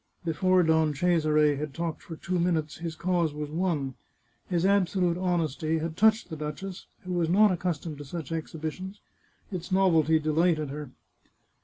Before Don Cesare had talked for two minutes his cause was won ; his absolute honesty had touched the duchess, who was not accustomed to such exhibitions ; its novelty de lighted her.